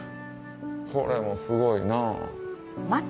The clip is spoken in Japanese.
これもすごいなぁ。